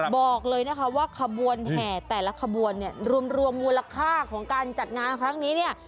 บอกเลยนะคะว่าขบวนแห่แต่ละขบวนเนี่ยรวมมูลค่าของการจัดงานครั้งนี้เนี่ย